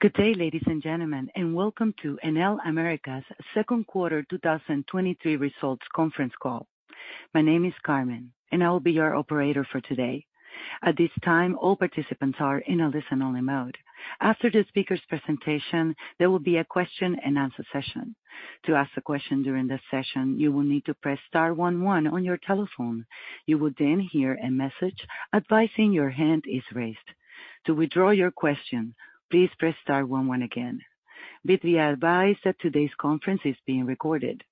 Good day, ladies and gentlemen, and welcome to Enel Américas second quarter 2023 results conference call. My name is Carmen, and I will be your operator for today. At this time, all participants are in a listen only mode. After the speaker's presentation, there will be a question and answer session. To ask a question during this session, you will need to press star one one on your telephone. You will then hear a message advising your hand is raised. To withdraw your question, please press star one one again. Be advised that today's conference is being recorded.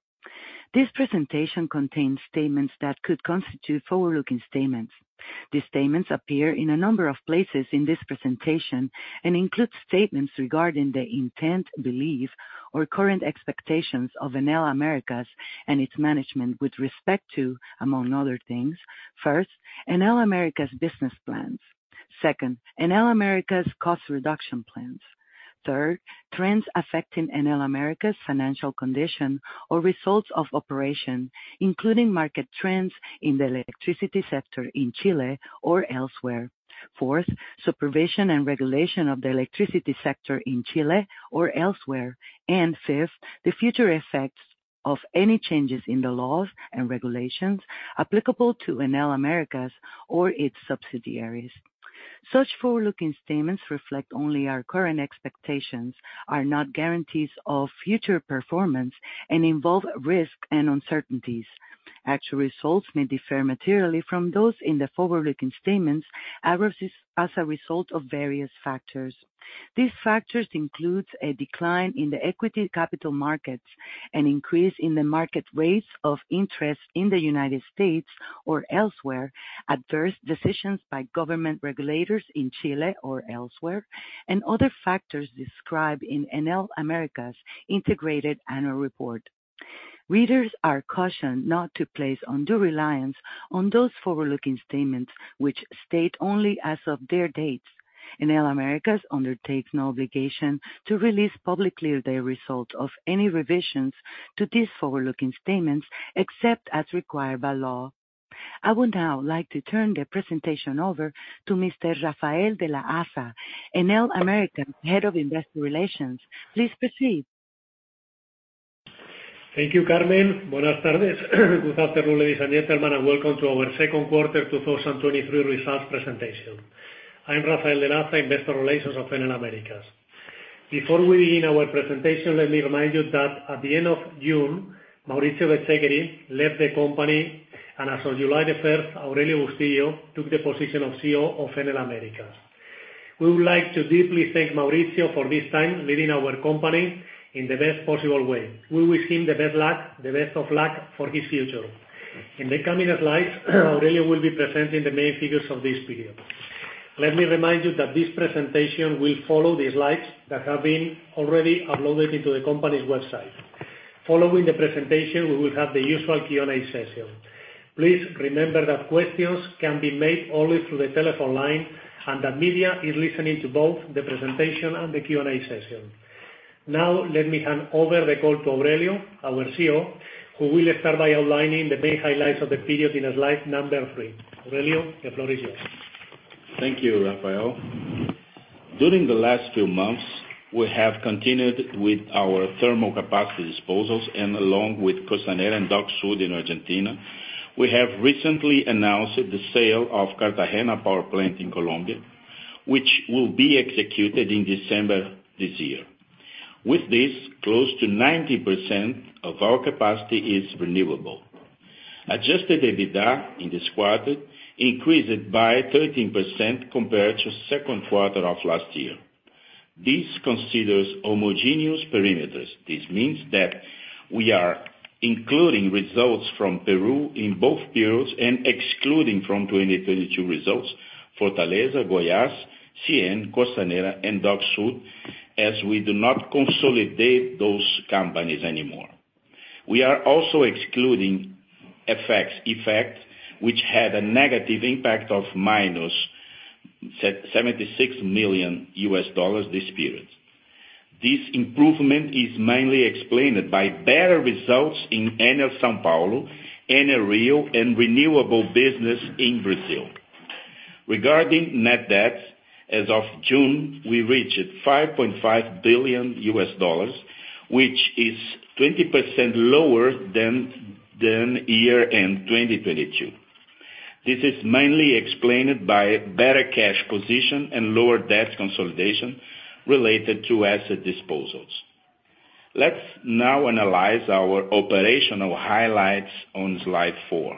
This presentation contains statements that could constitute forward-looking statements. These statements appear in a number of places in this presentation and include statements regarding the intent, belief, or current expectations of Enel Américas and its management with respect to, among other things, first, Enel Américas's business plans, second, Enel Américas's cost reduction plans, third, trends affecting Enel Américas's financial condition or results of operations, including market trends in the electricity sector in Chile or elsewhere, fourth, supervision and regulation of the electricity sector in Chile or elsewhere, and fifth, the future effects of any changes in the laws and regulations applicable to Enel Américas or its subsidiaries. Such forward-looking statements reflect only our current expectations, are not guarantees of future performance, and involve risk and uncertainties. Actual results may differ materially from those in the forward-looking statements as a result of various factors. These factors include a decline in the equity capital markets, an increase in the market rates of interest in the United States or elsewhere, adverse decisions by government regulators in Chile or elsewhere, and other factors described in Enel Américas Integrated Annual Report. Readers are cautioned not to place undue reliance on those forward-looking statements which state only as of their dates. Enel Américas undertakes no obligation to release publicly the result of any revisions to these forward-looking statements except as required by law. I would now like to turn the presentation over to Mr. Rafael de la Haza, Enel Américas Head of Investor Relations. Please proceed. Thank you, Carmen. Buenas tardes. Good afternoon, ladies and gentlemen, and welcome to our second quarter 2023 results presentation. I'm Rafael de la Haza, Investor Relations of Enel Américas. Before we begin our presentation, let me remind you that at the end of June, Maurizio Bezzeccheri left the company, and as of July 1, Aurelio Bustilho took the position of CEO of Enel Américas. We would like to deeply thank Maurizio for this time leading our company in the best possible way. We wish him the best of luck for his future. In the coming slides, Aurelio will be presenting the main figures of this period. Let me remind you that this presentation will follow the slides that have been already uploaded into the company's website. Following the presentation, we will have the usual Q&A session. Please remember that questions can be made only through the telephone line and that media is listening to both the presentation and the Q&A session. Now, let me hand over the call to Aurelio, our CEO, who will start by outlining the main highlights of the period in slide number three. Aurelio, the floor is yours. Thank you, Rafael. During the last few months, we have continued with our thermal capacity disposals and along with Costanera and Dock Sud in Argentina, we have recently announced the sale of Cartagena Power Plant in Colombia, which will be executed in December this year. With this, close to 90% of our capacity is renewable. Adjusted EBITDA in this quarter increased by 13% compared to second quarter of last year. This considers homogeneous perimeters. This means that we are including results from Peru in both periods and excluding from 2022 results Fortaleza, Goiás, CIEN, Costanera, and Dock Sud, as we do not consolidate those companies anymore. We are also excluding FX effect, which had a negative impact of -$76 million this period. This improvement is mainly explained by better results in Enel São Paulo, Enel Rio, and renewable business in Brazil. Regarding net debt, as of June, we reached $5.5 billion, which is 20% lower than year-end 2022. This is mainly explained by better cash position and lower debt consolidation related to asset disposals. Let's now analyze our operational highlights on slide four.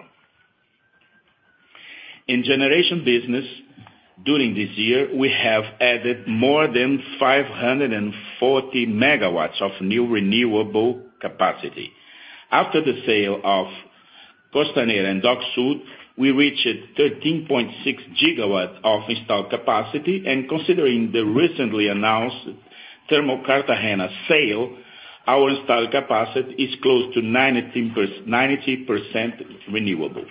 In generation business, during this year, we have added more than 540 MW of new renewable capacity. After the sale of Costanera and Dock Sud, we reached 13.6 GW of installed capacity, and considering the recently announced thermal Cartagena sale, our installed capacity is close to 90% renewable.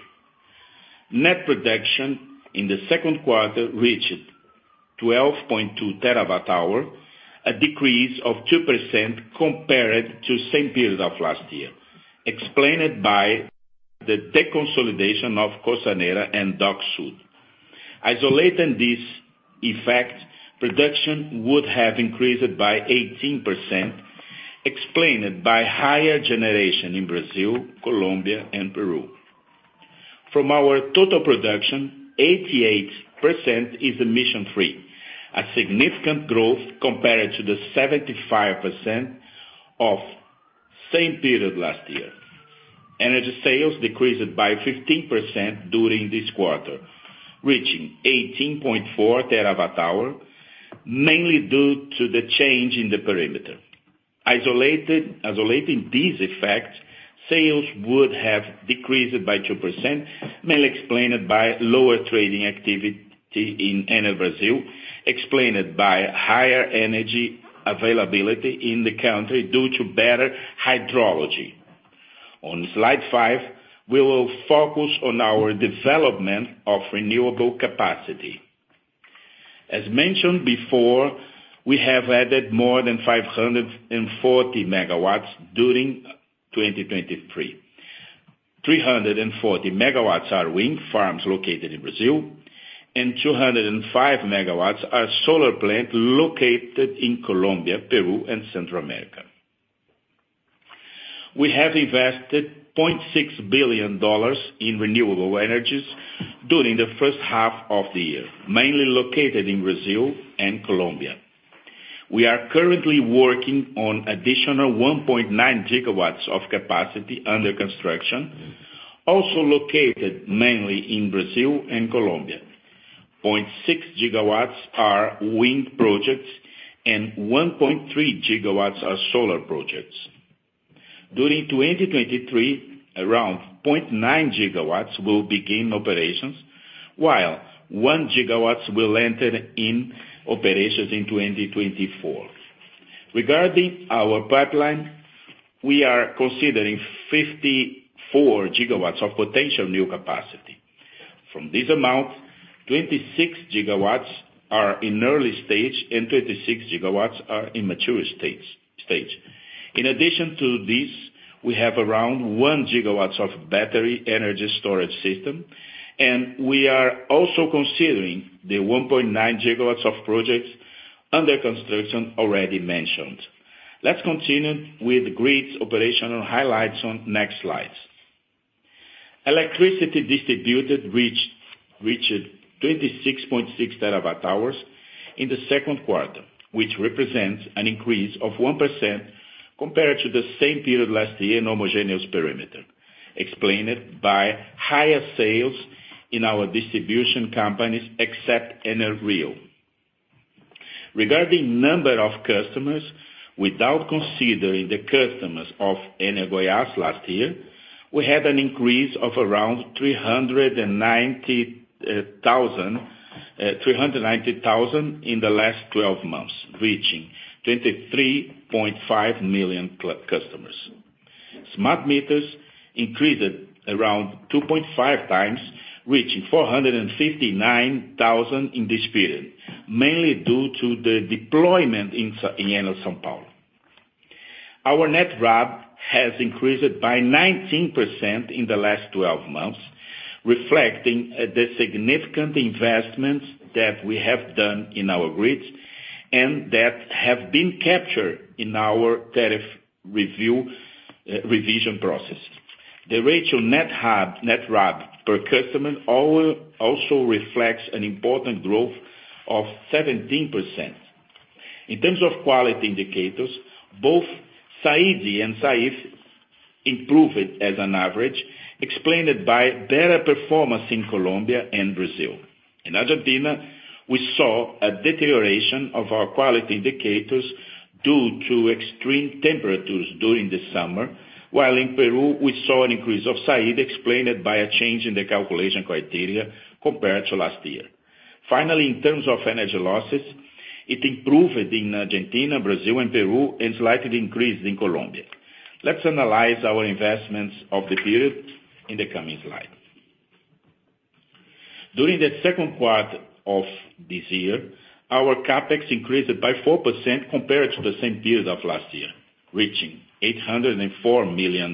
Net production in the second quarter reached 12.2 TWh, a decrease of 2% compared to same period of last year, explained by the deconsolidation of Costanera and Dock Sud. Isolating this effect, production would have increased by 18%, explained by higher generation in Brazil, Colombia, and Peru. From our total production, 88% is emission-free, a significant growth compared to the 75% of same period last year. Energy sales decreased by 15% during this quarter, reaching 18.4 TWh, mainly due to the change in the perimeter. Isolating these effects, sales would have decreased by 2%, mainly explained by lower trading activity in Enel Brasil, explained by higher energy availability in the country due to better hydrology. On slide five, we will focus on our development of renewable capacity. As mentioned before, we have added more than 540 MW during 2023. 340 MW are wind farms located in Brazil, and 205 megawatts are solar plant located in Colombia, Peru, and Central America. We have invested $0.6 billion in renewable energies during the first half of the year, mainly located in Brazil and Colombia. We are currently working on additional 1.9 GW of capacity under construction, also located mainly in Brazil and Colombia. 0.6 GW are wind projects, and 1.3 GW are solar projects. During 2023, around 0.9 GW will begin operations, while 1 GW will enter in operations in 2024. Regarding our pipeline, we are considering 54 GW of potential new capacity. From this amount, 26 GW are in early stage and 26 GW are in mature stage. In addition to this, we have around 1 GW of battery energy storage system, and we are also considering the 1.9 GW of projects under construction already mentioned. Let's continue with grids operational highlights on next slides. Electricity distributed reached 26.6 TWh in the second quarter, which represents an increase of 1% compared to the same period last year in homogeneous perimeter, explained by higher sales in our distribution companies except Enel Rio. Regarding number of customers, without considering the customers of Enel Goiás last year, we had an increase of around 390,000 in the last twelve months, reaching 23.5 million customers. Smart meters increased around 2.5x, reaching 459,000 in this period, mainly due to the deployment in Enel São Paulo. Our net RAB has increased by 19% in the last twelve months, reflecting the significant investments that we have done in our grids and that have been captured in our tariff review revision process. The ratio net RAB per customer also reflects an important growth of 17%. In terms of quality indicators, both SAIDI and SAIFI improved as an average, explained by better performance in Colombia and Brazil. In Argentina, we saw a deterioration of our quality indicators due to extreme temperatures during the summer, while in Peru, we saw an increase of SAIDI explained by a change in the calculation criteria compared to last year. Finally, in terms of energy losses, it improved in Argentina, Brazil, and Peru, and slightly increased in Colombia. Let's analyze our investments of the period in the coming slide. During the second quarter of this year, our CapEx increased by 4% compared to the same period of last year, reaching $804 million.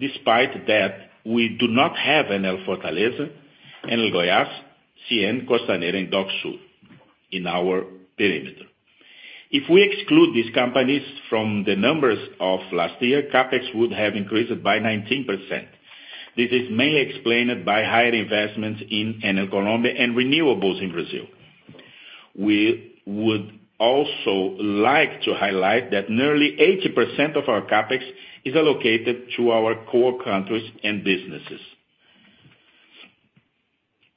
Despite that, we do not have Enel Fortaleza, Enel Goiás, CIEN, Costanera, and Dock Sud in our perimeter. If we exclude these companies from the numbers of last year, CapEx would have increased by 19%. This is mainly explained by higher investments in Enel Colombia and renewables in Brazil. We would also like to highlight that nearly 80% of our CapEx is allocated to our core countries and businesses.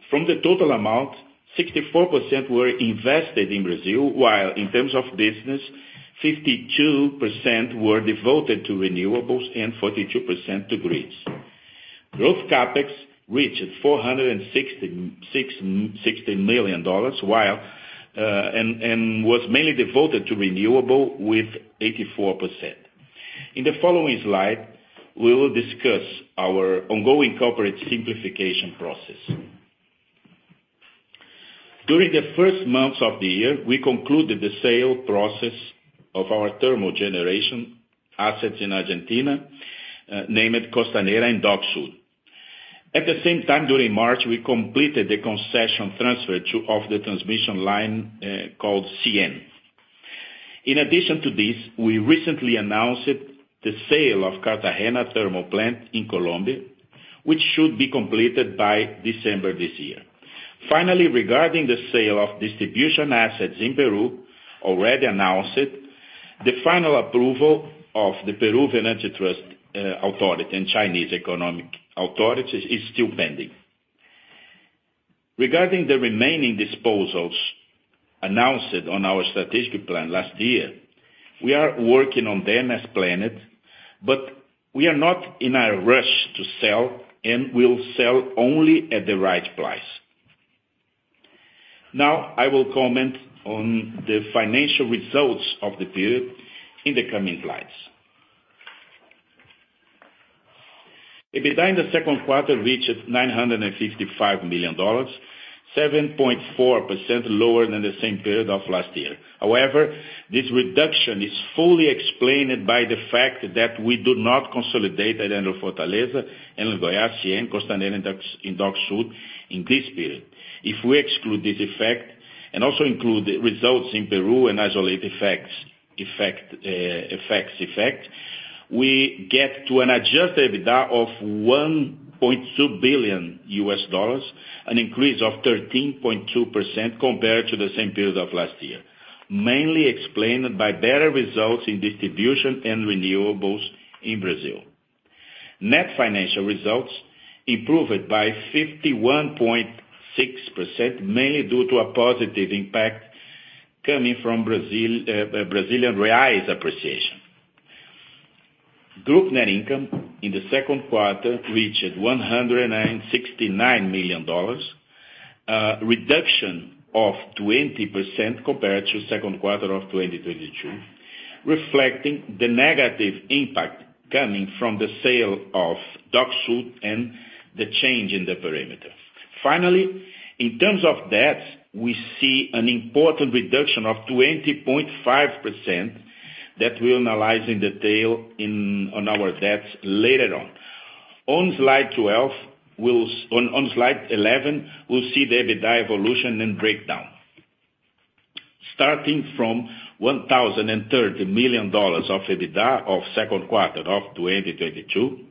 From the total amount, 64% were invested in Brazil, while in terms of business, 52% were devoted to renewables and 42% to grids. Growth CapEx reached $466 million, while was mainly devoted to renewable with 84%. In the following slide, we will discuss our ongoing corporate simplification process. During the first months of the year, we concluded the sale process of our thermal generation assets in Argentina, named Costanera and Central Dock Sud. At the same time, during March, we completed the concession transfer of the transmission line called CIEN. In addition to this, we recently announced the sale of Cartagena Thermal Plant in Colombia, which should be completed by December this year. Finally, regarding the sale of distribution assets in Peru, already announced, the final approval of Indecopi and Chinese economic authority is still pending. Regarding the remaining disposals announced on our strategic plan last year, we are working on them as planned, but we are not in a rush to sell and will sell only at the right price. Now I will comment on the financial results of the period in the coming slides. EBITDA in the second quarter reached $955 million, 7.4% lower than the same period of last year. However, this reduction is fully explained by the fact that we do not consolidate Enel Fortaleza, Enel Goiás, CIEN, Costanera, and Dock Sud in this period. If we exclude this effect, and also include the results in Peru and isolate effects, we get to an adjusted EBITDA of $1.2 Billion, an increase of 13.2% compared to the same period of last year, mainly explained by better results in distribution and renewables in Brazil. Net financial results improved by 51.6%, mainly due to a positive impact coming from Brazil, Brazilian reais appreciation. Group net income in the second quarter reached $169 million, reduction of 20% compared to second quarter of 2022, reflecting the negative impact coming from the sale of Dock Sud and the change in the perimeter. Finally, in terms of debt, we see an important reduction of 20.5% that we'll analyze in detail on our debts later on. On slide 11, we'll see the EBITDA evolution and breakdown. Starting from $1.03 billion of EBITDA of second quarter of 2022,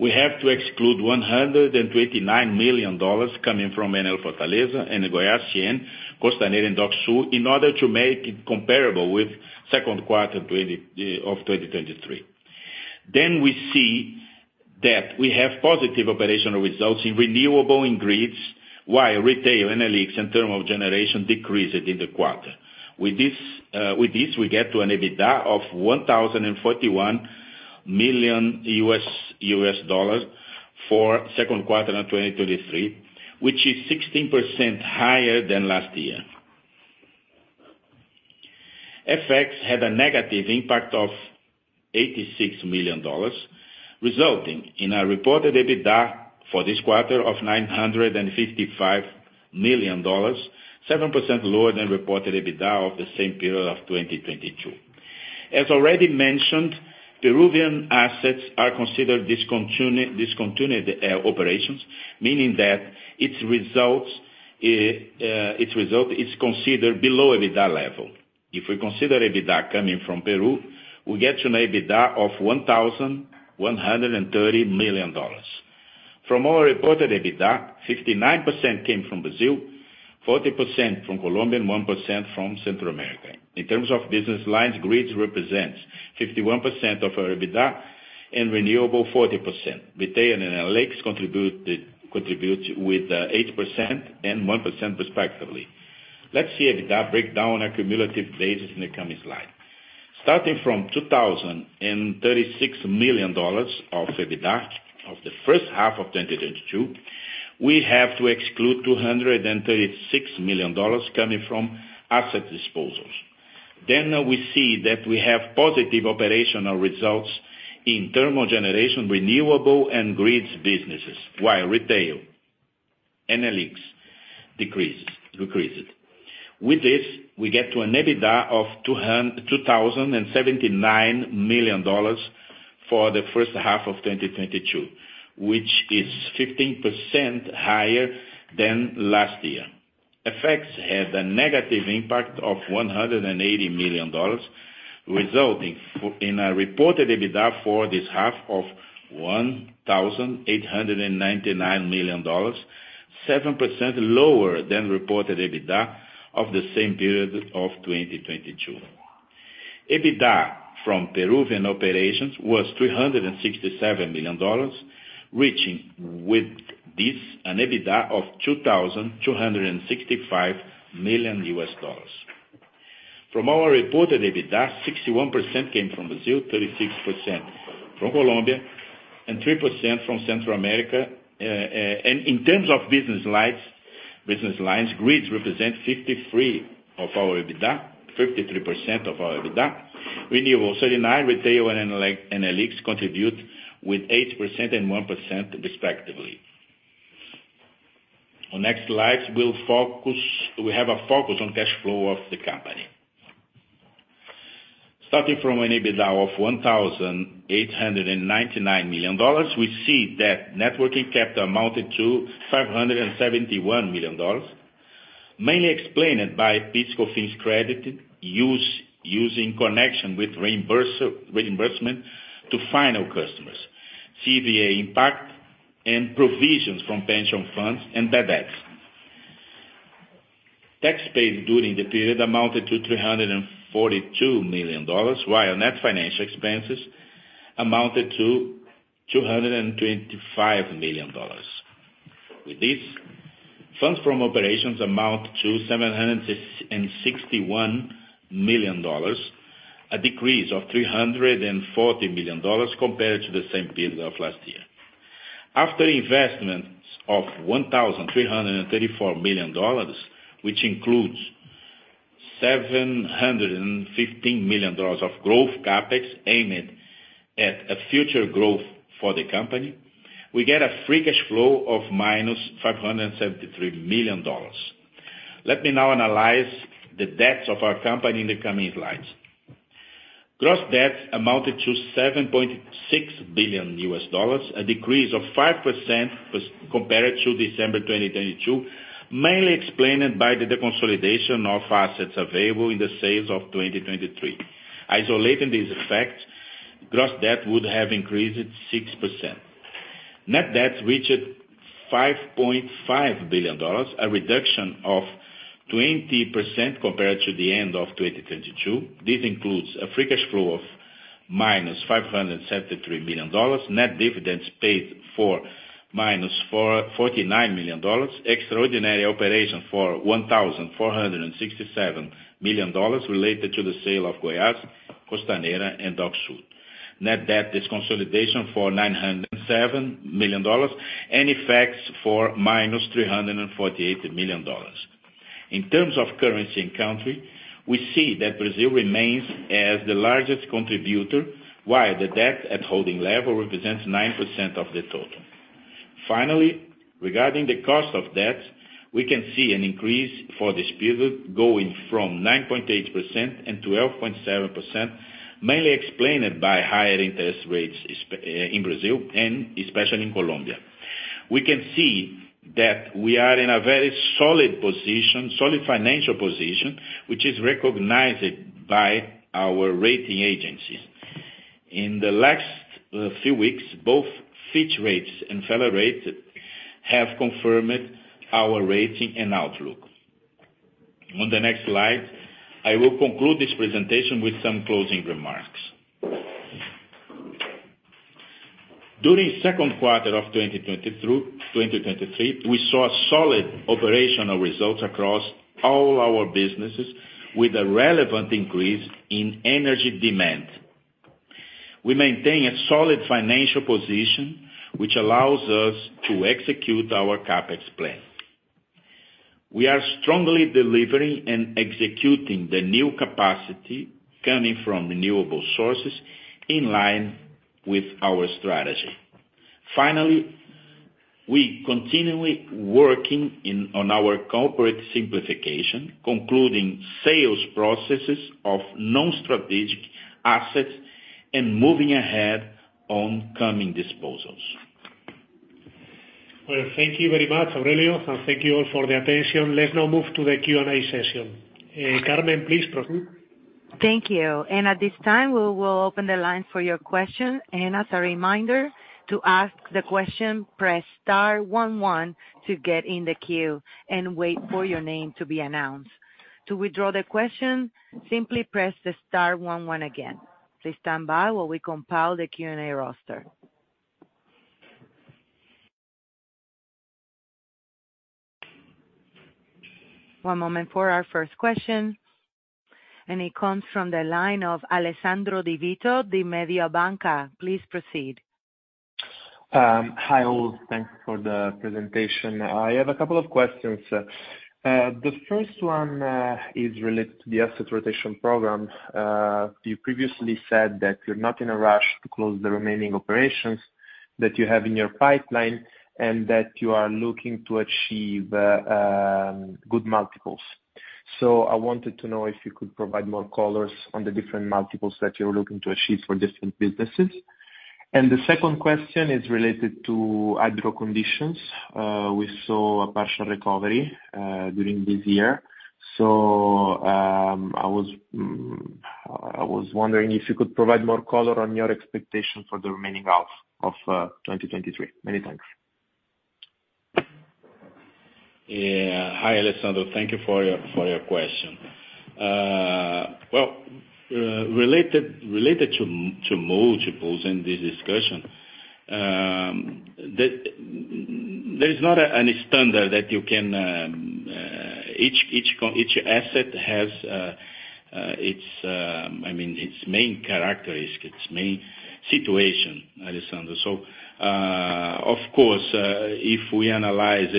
we have to exclude $129 million coming from Enel Fortaleza, Enel Goiás, CIEN, Costanera, and Dock Sud in order to make it comparable with second quarter of 2023. We see that we have positive operational results in renewable and grids, while retail, Enel X, and thermal generation decreased in the quarter. With this, we get to an EBITDA of $1.041 billion for second quarter of 2023, which is 16% higher than last year. FX had a negative impact of $86 million, resulting in a reported EBITDA for this quarter of $955 million, 7% lower than reported EBITDA of the same period of 2022. As already mentioned, Peruvian assets are considered discontinued operations, meaning that its result is considered below EBITDA level. If we consider EBITDA coming from Peru, we get to an EBITDA of $1.13 billion. From our reported EBITDA, 59% came from Brazil, 40% from Colombia, and 1% from Central America. In terms of business lines, grids represents 51% of our EBITDA and renewable 40%. Retail and Enel X contribute with 8% and 1% respectively. Let's see EBITDA breakdown on a cumulative basis in the coming slide. Starting from $2.036 billion of EBITDA of the first half of 2022, we have to exclude $236 million coming from asset disposals. We see that we have positive operational results in thermal generation, renewable, and grids businesses, while retail, Enel X decreases. With this, we get to an EBITDA of $2.079 billion for the first half of 2022, which is 15% higher than last year. FX had a negative impact of $180 million, resulting in a reported EBITDA for this half of $1.899 billion, 7% lower than reported EBITDA of the same period of 2022. EBITDA from Peruvian operations was $367 million, reaching with this an EBITDA of $2.265 billion. From our reported EBITDA, 61% came from Brazil, 36% from Colombia, and 3% from Central America. In terms of business lines, grids represent 53% of our EBITDA. Renewables, 39%. Retail and Enel X contribute with 8% and 1% respectively. On next slides, we'll focus on cash flow of the company. Starting from an EBITDA of $1.899 billion, we see that net working capital amounted to $571 million, mainly explained by PIS/COFINS credit use in connection with reimbursement to final customers, CVA impact and provisions from pension funds and bad debts. Tax paid during the period amounted to $342 million, while net financial expenses amounted to $225 million. With this, funds from operations amount to $761 million, a decrease of $340 million compared to the same period of last year. After investments of $1.334 billion, which includes $715 million of growth CapEx aimed at a future growth for the company, we get a free cash flow of minus $573 million. Let me now analyze the debts of our company in the coming slides. Gross debts amounted to $7.6 billion, a decrease of 5% as compared to December 2022, mainly explained by the deconsolidation of assets available for sale of 2023. Isolating this effect, gross debt would have increased 6%. Net debt reached $5.5 billion, a reduction of 20% compared to the end of 2022. This includes a free cash flow of -$573 million, net dividends paid for -$49 million, extraordinary operation for $1.467 billion related to the sale of Enel Goiás, Costanera and Dock Sud. Net debt, this consolidation for $907 million, and effects for -$348 million. In terms of currency and country, we see that Brazil remains as the largest contributor, while the debt at holding level represents 9% of the total. Finally, regarding the cost of debt, we can see an increase for this period going from 9.8% and 12.7%, mainly explained by higher interest rates in Brazil and especially in Colombia. We can see that we are in a very solid position, solid financial position, which is recognized by our rating agencies. In the last few weeks, both Fitch Ratings and Feller Rate have confirmed our rating and outlook. On the next slide, I will conclude this presentation with some closing remarks. During second quarter of 2023, we saw solid operational results across all our businesses with a relevant increase in energy demand. We maintain a solid financial position, which allows us to execute our CapEx plan. We are strongly delivering and executing the new capacity coming from renewable sources in line with our strategy. Finally, we continually working on our corporate simplification, concluding sales processes of non-strategic assets and moving ahead on coming disposals. Well, thank you very much, Aurelio, and thank you all for the attention. Let's now move to the Q&A session. Carmen, please proceed. Thank you. At this time, we will open the line for your question. As a reminder to ask the question, press star one one to get in the queue and wait for your name to be announced. To withdraw the question, simply press the star one one again. Please stand by while we compile the Q&A roster. One moment for our first question, and it comes from the line of Alessandro Di Vito of Mediobanca. Please proceed. Hi all. Thanks for the presentation. I have a couple of questions. The first one is related to the asset rotation program. You previously said that you're not in a rush to close the remaining operations that you have in your pipeline and that you are looking to achieve good multiples. I wanted to know if you could provide more color on the different multiples that you're looking to achieve for different businesses. The second question is related to hydro conditions. We saw a partial recovery during this year. I was wondering if you could provide more color on your expectation for the remaining half of 2023. Many thanks. Hi, Alessandro. Thank you for your question. Well, related to multiples in this discussion, there is not a standard that you can, each asset has its, I mean, its main characteristic, its main situation, Alessandro. Of course, if we analyze,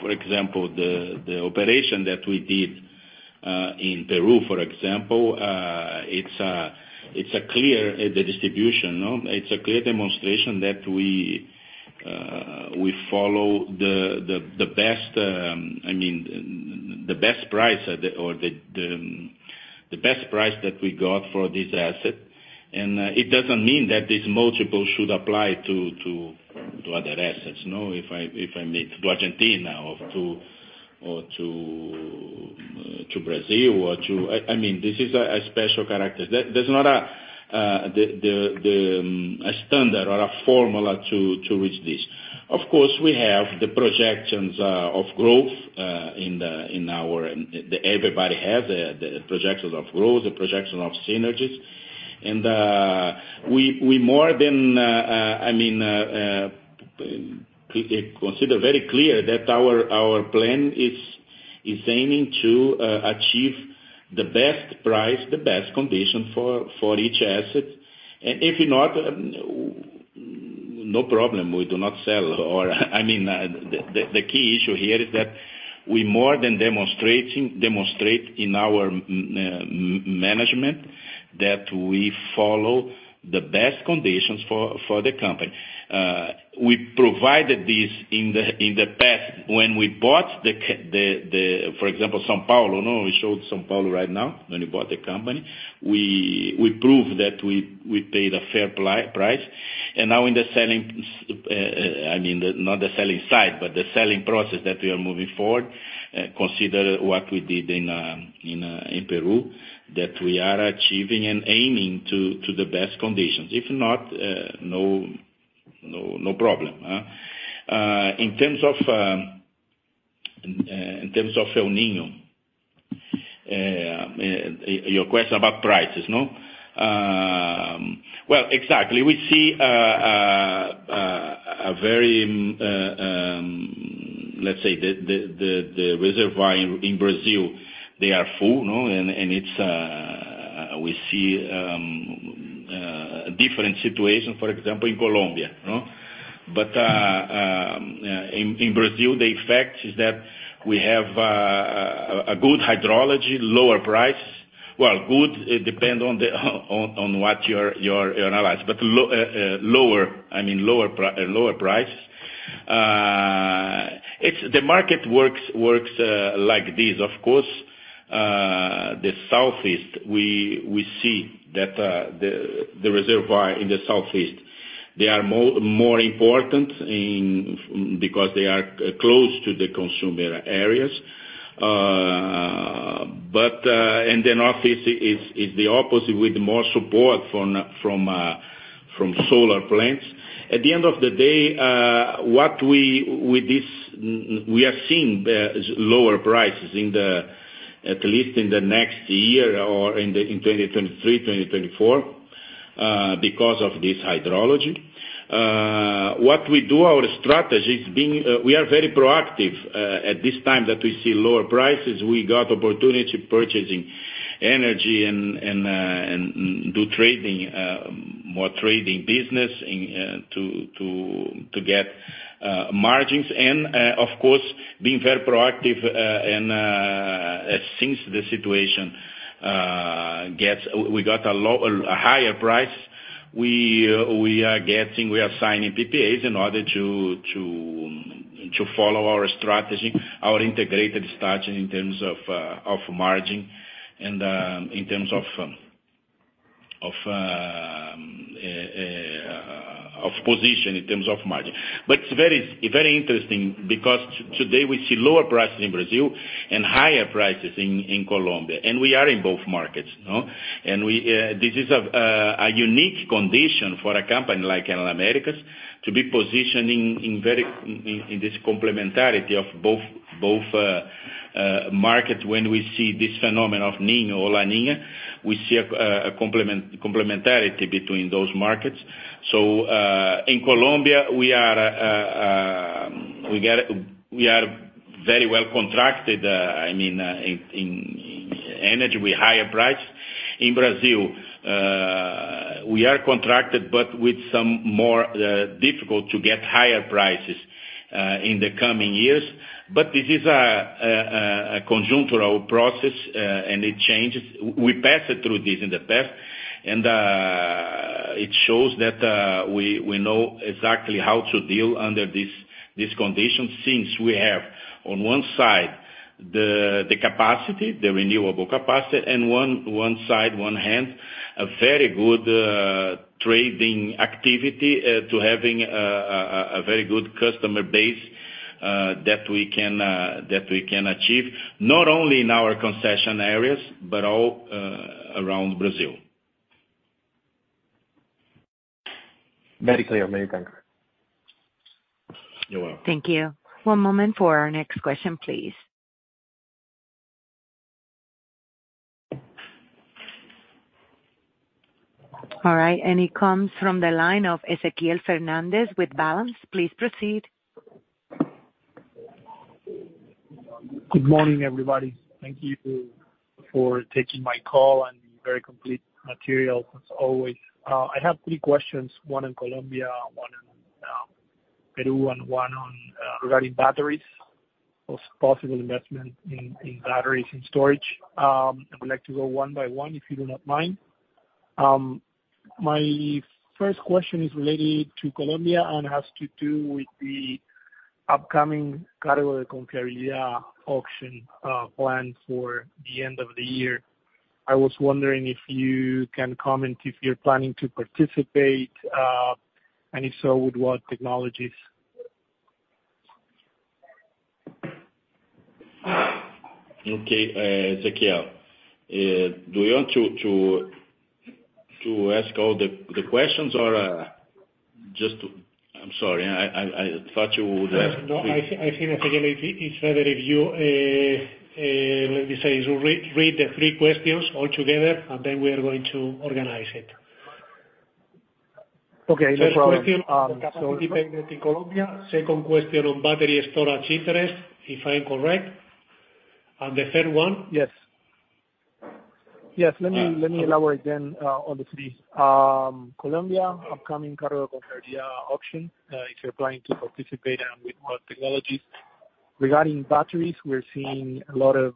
for example, the operation that we did in Peru, for example, it's a clear demonstration that we follow the best, I mean, the best price that we got for this asset. It doesn't mean that this multiple should apply to other assets, you know, if I go to Argentina or to Brazil. I mean, this is a special case. There's not a standard or a formula to reach this. Of course, we have the projections of growth in our case. Everybody has the projections of growth, the projection of synergies. We make it very clear that our plan is aiming to achieve the best price, the best condition for each asset. If not, no problem, we do not sell. I mean, the key issue here is that we demonstrate in our management that we follow the best conditions for the company. We provided this in the past when we bought, for example, São Paulo, no? We showed São Paulo right now when we bought the company. We proved that we paid a fair price. Now in the selling, I mean, not the selling side, but the selling process that we are moving forward, consider what we did in Peru, that we are achieving and aiming to the best conditions. If not, no problem. In terms of El Niño, your question about prices, no? Well, exactly. We see a very, let's say the reservoir in Brazil, they are full, no? It's we see a different situation, for example, in Colombia, no? In Brazil, the effect is that we have a good hydrology, lower price. Well, good, it depend on what you analyze. Lower, I mean, lower price. It's the market works like this. Of course, the Southeast, we see that the reservoir in the Southeast, they are more important because they are close to the consumer areas. In the Northeast it's the opposite with more support from solar plants. At the end of the day, with this, we are seeing lower prices, at least in the next year or in 2023, 2024, because of this hydrology. What we do, our strategy is being very proactive at this time that we see lower prices. We got opportunity purchasing energy and do trading, more trading business in to get margins. Of course, being very proactive, since the situation gets a higher price, we are signing PPAs in order to follow our strategy, our integrated strategy in terms of margin and in terms of position in terms of margin. It's very interesting because today we see lower prices in Brazil and higher prices in Colombia, and we are in both markets, no? This is a unique condition for a company like Enel Américas to be positioning in this complementarity of both markets. When we see this phenomenon of El Niño or La Niña, we see a complementarity between those markets. In Colombia, we are very well contracted, I mean, in energy with higher price. In Brazil, we are contracted but with some more difficult to get higher prices in the coming years. This is a conjuncture process, and it changes. We passed through this in the past, and it shows that we know exactly how to deal under this condition, since we have on one side the capacity, the renewable capacity, and one side, one hand, a very good trading activity to having a very good customer base that we can achieve, not only in our concession areas, but all around Brazil. Very clear. Many thanks. You're welcome. Thank you. One moment for our next question, please. All right, it comes from the line of Ezequiel Fernández with Balanz. Please proceed. Good morning, everybody. Thank you for taking my call and very complete material as always. I have three questions, one in Colombia, one in Peru, and one regarding batteries, possible investment in batteries and storage. I would like to go one by one, if you do not mind. My first question is related to Colombia and has to do with the upcoming Cargo por Confiabilidad auction, planned for the end of the year. I was wondering if you can comment if you're planning to participate, and if so, with what technologies. Okay. Ezequiel, do you want to ask all the questions or just to. I'm sorry, I thought you would have. No. I see that again. It's better if you let me say read the three questions all together and then we are going to organize it. Okay. No problem. First question one in Colombia. Second question on battery storage interest, if I'm correct. The third one? Let me elaborate on the three. Colombia upcoming Cargo por Confiabilidad auction, if you're planning to participate and with what technologies. Regarding batteries, we're seeing a lot of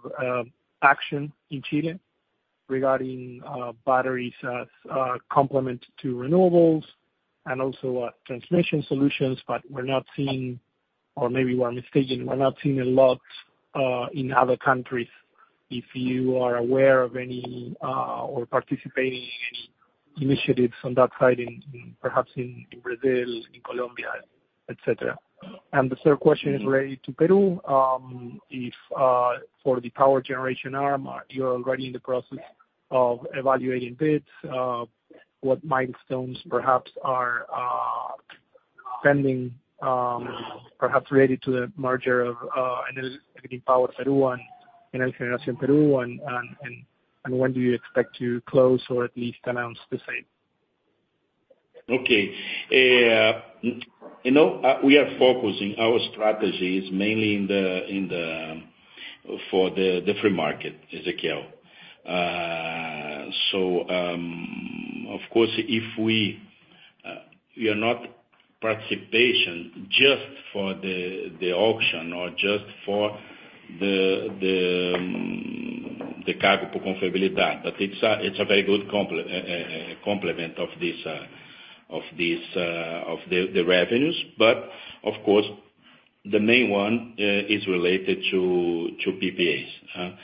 action in Chile regarding batteries as complement to renewables and also transmission solutions. But we're not seeing, or maybe we're mistaken, we're not seeing a lot in other countries. If you are aware of any or participating in any initiatives on that side in perhaps Brazil, in Colombia, et cetera. The third question is related to Peru. If for the power generation arm, are you already in the process of evaluating bids? What milestones perhaps are pending, perhaps related to the merger of Enel Generación Piura and Enel Generación Perú, and when do you expect to close or at least announce the same? Okay. You know, we are focusing our strategies mainly in the free market, Ezequiel. Of course, if we are not participating just for the auction or just for the Cargo por Confiabilidad. It's a very good complement of the revenues. Of course, the main one is related to PPAs.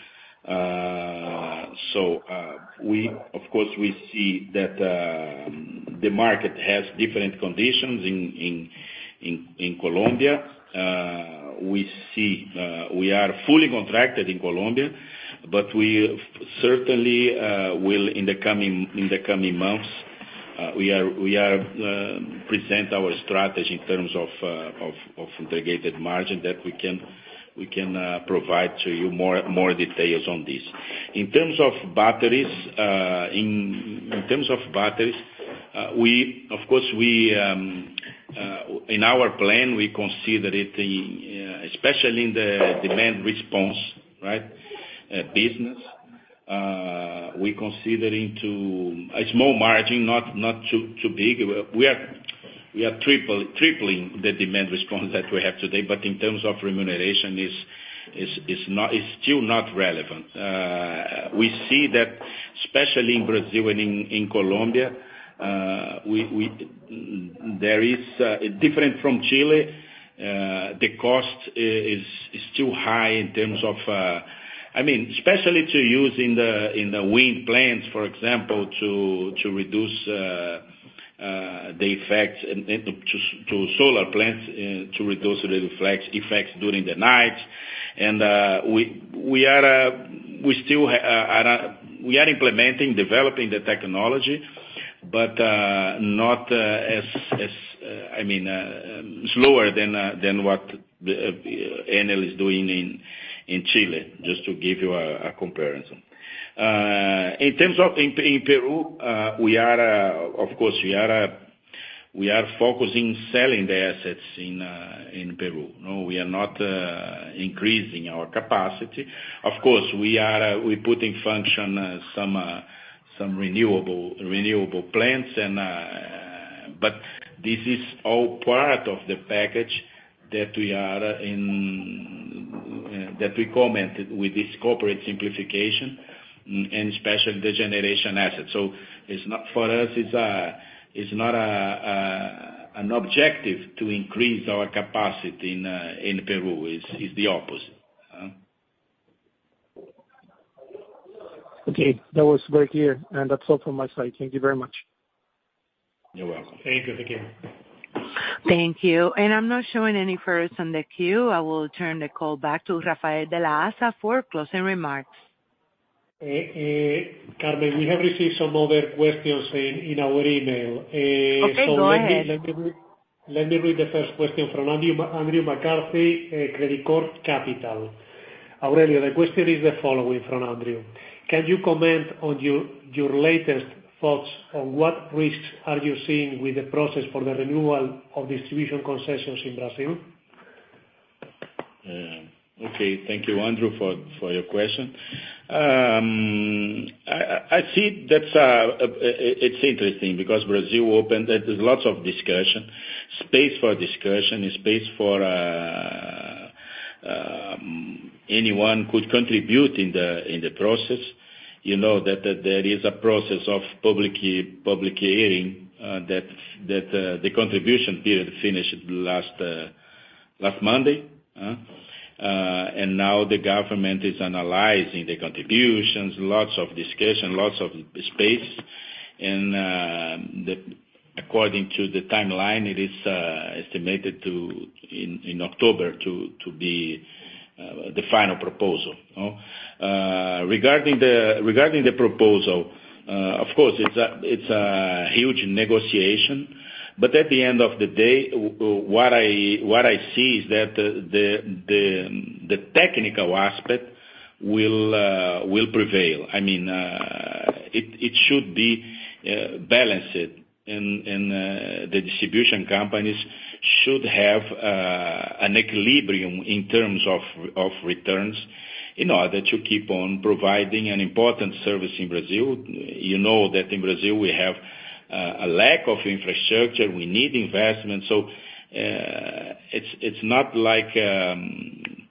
We of course see that the market has different conditions in Colombia. We are fully contracted in Colombia, but we certainly will in the coming months present our strategy in terms of integrated margin that we can provide you more details on this. In terms of batteries, we of course in our plan consider it especially in the demand response, right, business. We are considering a small margin, not too big. We are tripling the demand response that we have today. But in terms of remuneration, it is still not relevant. We see that especially in Brazil and in Colombia, there is different from Chile, the cost is still high in terms of, I mean, especially to use in the wind plants, for example, to reduce the effects and to solar plants, to reduce the reflex effects during the night. We are still developing the technology, but not as slower than what Enel is doing in Chile, just to give you a comparison. In terms of in Peru, we are, of course, focusing selling the assets in Peru. No, we are not increasing our capacity. Of course, we are, we put in function some renewable plants. This is all part of the package that we are in, that we commented with this corporate simplification and especially the generation assets. It's not for us, it's not an objective to increase our capacity in Peru. It is the opposite. Okay. That was very clear. That's all from my side. Thank you very much. You're welcome. Thank you Ezequiel. Thank you. I'm not showing any further on the queue. I will turn the call back to Rafael de la Haza for closing remarks. Carmen, we have received some other questions in our email. Okay, go ahead. Let me read the first question from Andrew McCarthy, Credicorp Capital. Aurelio, the question is the following from Andrew. Can you comment on your latest thoughts on what risks are you seeing with the process for the renewal of distribution concessions in Brazil? Thank you, Andrew, for your question. I think that's interesting because Brazil opened. There's lots of discussion, space for discussion and space for anyone could contribute in the process. You know that there is a process of public hearing that the contribution period finished last Monday, and now the government is analyzing the contributions, lots of discussion, lots of space and according to the timeline, it is estimated in October to be the final proposal. Regarding the proposal, of course it's a huge negotiation. At the end of the day, what I see is that the technical aspect will prevail. I mean, it should be balanced and the distribution companies should have an equilibrium in terms of returns in order to keep on providing an important service in Brazil. You know that in Brazil we have a lack of infrastructure. We need investment. It's not like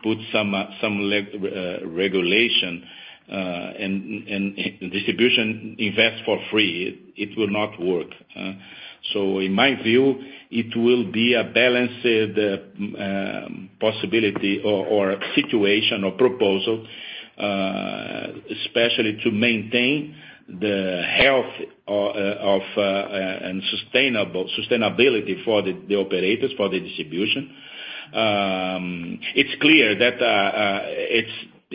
put some regulation and distribution invest for free. It will not work. In my view, it will be a balanced possibility or situation or proposal, especially to maintain the health of and sustainability for the operators, for the distribution. It's clear that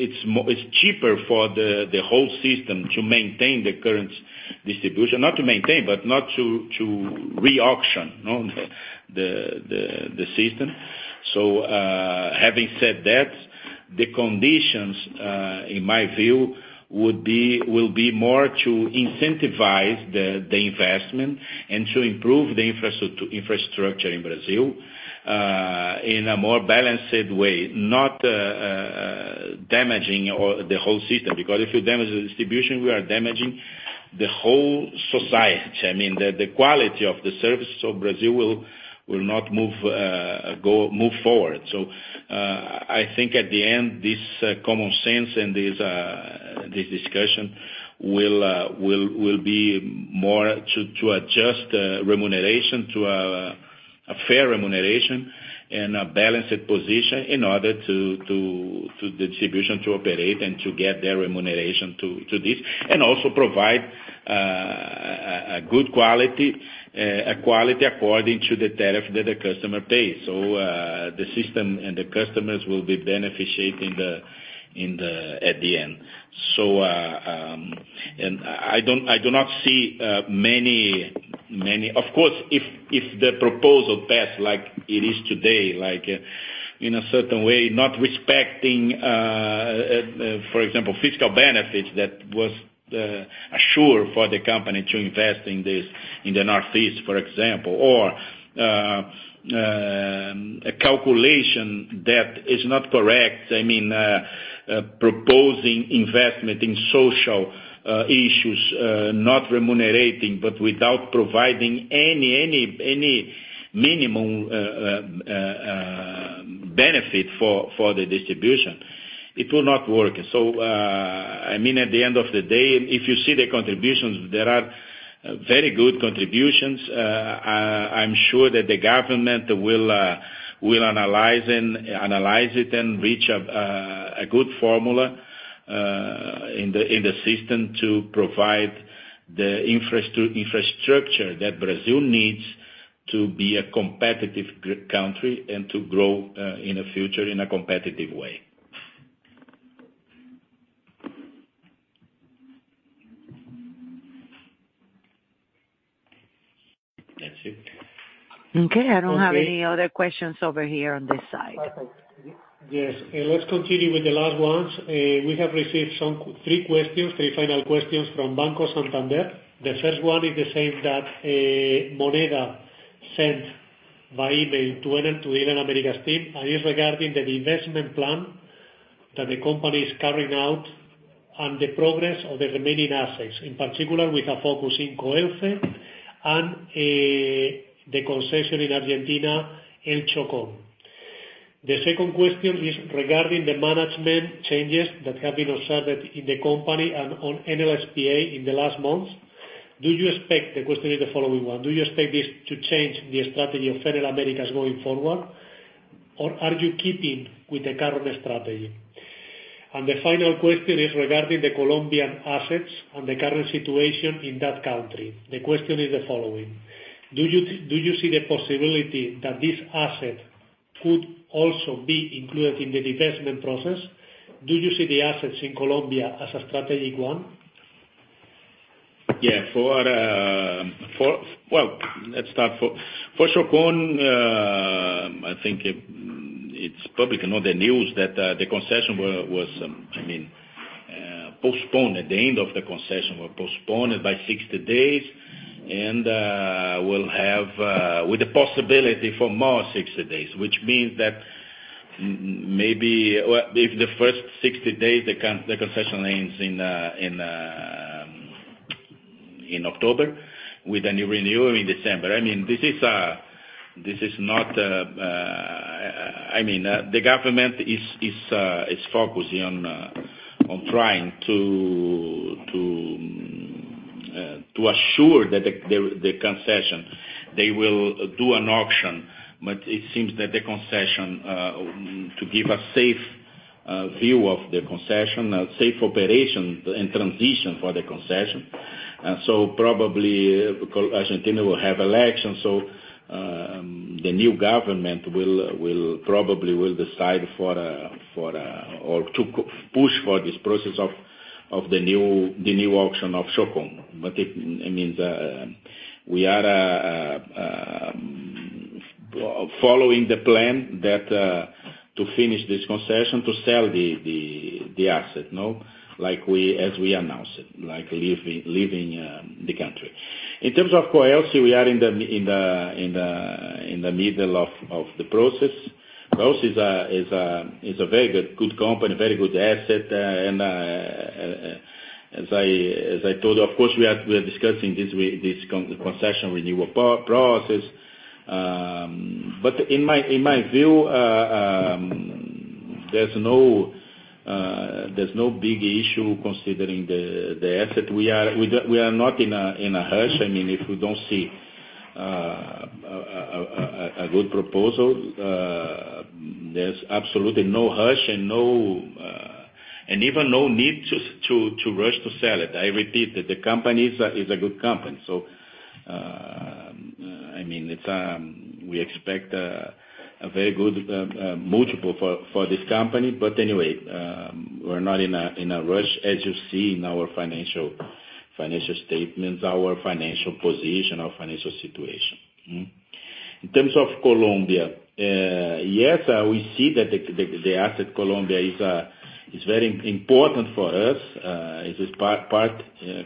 it's cheaper for the whole system to maintain the current distribution. Not to maintain, but not to re-auction, you know, the system. Having said that, the conditions in my view will be more to incentivize the investment and to improve the infrastructure in Brazil in a more balanced way, not damaging the whole system. Because if you damage the distribution, we are damaging the whole society. I mean, the quality of the service of Brazil will not move forward. I think at the end, this common sense and this discussion will be more to adjust remuneration to a fair remuneration and a balanced position in order to the distribution to operate and to get their remuneration to this and also provide a good quality, a quality according to the tariff that the customer pays. The system and the customers will be benefiting in the end. I do not see many. Of course, if the proposal pass like it is today, like in a certain way, not respecting, for example, fiscal benefits that was assured for the company to invest in this, in the Northeast, for example, or a calculation that is not correct. I mean, proposing investment in social issues, not remunerating, but without providing any minimum benefit for the distribution. It will not work. I mean, at the end of the day, if you see the contributions, there are very good contributions. I'm sure that the government will analyze it and reach a good formula in the system to provide the infrastructure that Brazil needs to be a competitive country and to grow in the future in a competitive way. That's it. Okay. I don't have any other questions over here on this side. Yes. Let's continue with the last ones. We have received some three questions, three final questions from Banco Santander. The first one is the same that, Moneda sent by email to Enel, to Enel Américas team, and is regarding the divestment plan that the company is carrying out and the progress of the remaining assets, in particular with a focus in Coelce and the concession in Argentina, El Chocón. The second question is regarding the management changes that have been observed in the company and on Enel S.p.A. in the last months. Do you expect, the question is the following one. Do you expect this to change the strategy of Enel Américas going forward, or are you keeping with the current strategy? The final question is regarding the Colombian assets and the current situation in that country. The question is the following: Do you see the possibility that this asset could also be included in the divestment process? Do you see the assets in Colombia as a strategic one? For El Chocón, I think it's public in all the news that the concession was postponed. At the end of the concession was postponed by 60 days and will have with the possibility for more 60 days, which means that maybe, if the first 60 days, the concession ends in October with a new renewal in December. I mean, this is not, I mean, the government is focusing on trying to assure that the concession, they will do an auction, but it seems that the concession to give a safe view of the concession, a safe operation and transition for the concession. Probably Argentina will have elections. The new government will probably decide or to push for this process of the new auction of El Chocón. It means we are following the plan to finish this concession, to sell the asset, no? Like we as we announced it, like leaving the country. In terms of Coelce, we are in the middle of the process. Coelce is a very good company, very good asset. As I told you, of course, we are discussing this concession renewal process. In my view, there's no big issue considering the asset. We are not in a rush. I mean, if we don't see a good proposal, there's absolutely no rush and even no need to rush to sell it. I repeat that the company is a good company. I mean, we expect a very good multiple for this company. Anyway, we're not in a rush, as you see in our financial statements, our financial position, our financial situation. In terms of Colombia, yes, we see that the asset Colombia is very important for us. It is part.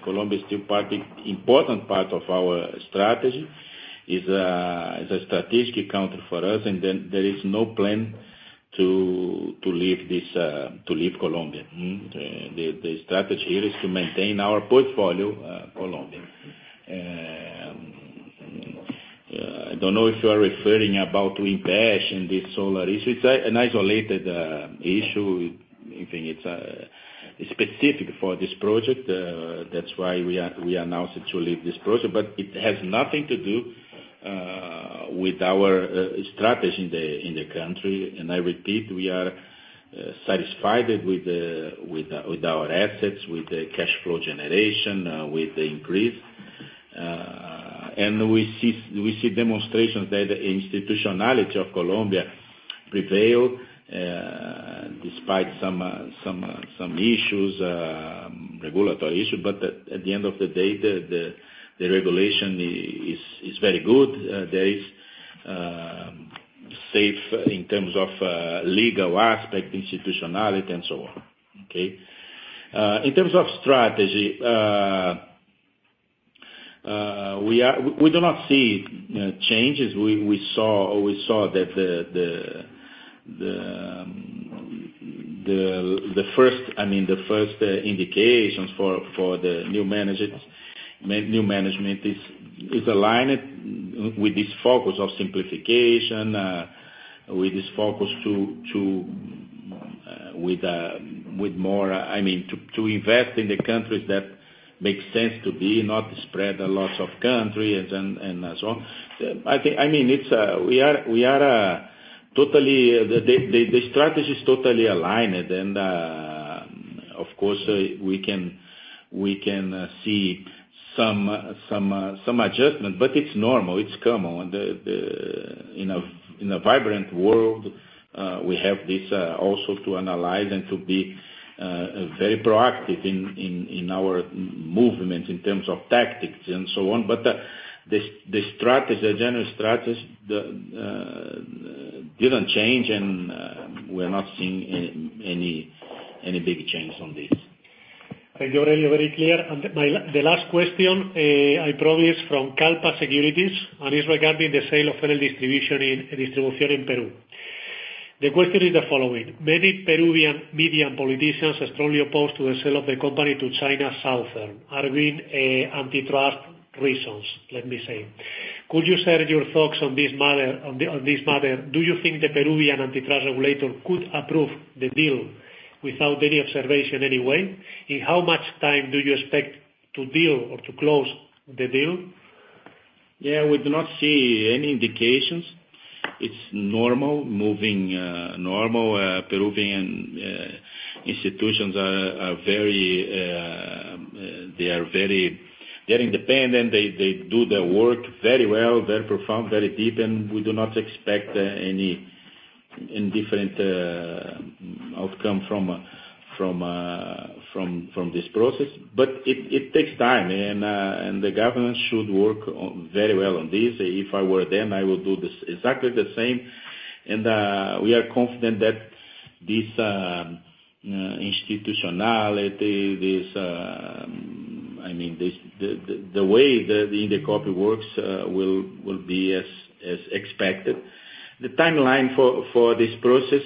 Colombia is still important part of our strategy. Colombia is a strategic country for us, and then there is no plan to leave Colombia. The strategy here is to maintain our portfolio, Colombia. I don't know if you are referring about Windpeshi and this solar issue. It's an isolated issue. I think it's specific for this project. That's why we announced to leave this project. It has nothing to do with our strategy in the country. I repeat, we are satisfied with our assets, with the cash flow generation, with the increase. We see demonstrations that the institutionality of Colombia prevails, despite some issues, regulatory issue. At the end of the day, the regulation is very good. There is safety in terms of legal aspect, institutionality, and so on. Okay. In terms of strategy, we do not see changes. We saw that the first, I mean, the first indications for the new management is aligned with this focus of simplification, with this focus to invest in the countries that make sense to be, not spread lots of countries and so on. I think, I mean, it's totally. The strategy is totally aligned. Of course, we can see some adjustment, but it's normal. It's common. In a vibrant world, we have this also to analyze and to be very proactive in our movement in terms of tactics and so on. The strategy, the general strategy, didn't change, and we're not seeing any big changes on this. Thank you, Aurelio. Very clear. The last question,[I promise], from Kallpa Securities, and it's regarding the sale of Enel Distribución Perú. The question is the following: Many Peruvian media and politicians are strongly opposed to the sale of the company to China Southern, arguing antitrust reasons, let me say. Could you share your thoughts on this matter, on this matter? Do you think the Peruvian antitrust regulator could approve the deal without any observation anyway? In how much time do you expect to deal or to close the deal? Yeah, we do not see any indications. It's normal, moving, normal. Peruvian institutions are very independent. They do their work very well, very profound, very deep, and we do not expect any different outcome from this process. It takes time, and the government should work very well on this. If I were them, I would do this exactly the same. We are confident that this institutionality, I mean, this. The way that Indecopi works will be as expected. The timeline for this process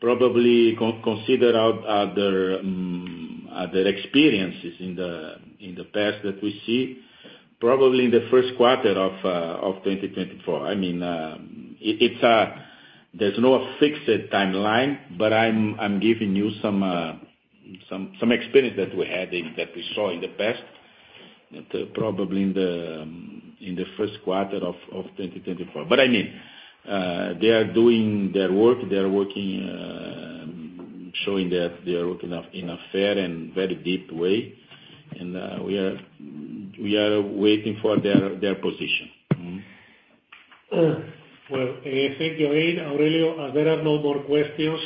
probably considering other experiences in the past that we see, probably in the first quarter of 2024. I mean, there's no fixed timeline, but I'm giving you some experience that we had, that we saw in the past, probably in the first quarter of 2024. They are doing their work. They are working, showing that they are working in a fair and very deep way. We are waiting for their position. Well, thank you again, Aurelio. As there are no more questions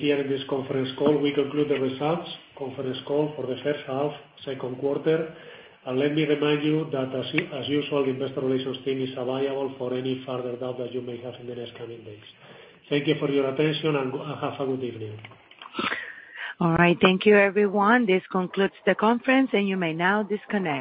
here in this conference call, we conclude the results conference call for the first half, second quarter. Let me remind you that as usual, investor relations team is available for any further doubt that you may have in the next coming days. Thank you for your attention, and have a good evening. All right. Thank you, everyone. This concludes the conference, and you may now disconnect.